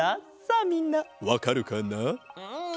さあみんなわかるかな？